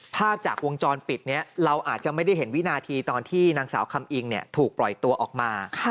ภาพจากวงจรปิดนี้เราอาจจะไม่ได้เห็นวินาทีตอนที่นางสาวคำอิงถูกปล่อยตัวออกมา